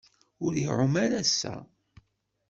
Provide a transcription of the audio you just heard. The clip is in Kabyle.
Ur iɛum ara ass-a.